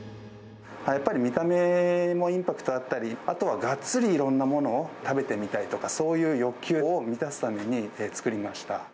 やっぱり見た目もインパクトあったり、あとはがっつりいろんなものを食べてみたいとか、そういう欲求を満たすために作りました。